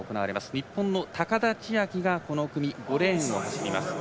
日本の高田千明がこの組５レーンを走ります。